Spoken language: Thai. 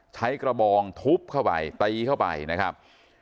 ใช้กระบองทุบเข้าไปตีเข้าไปนะครับ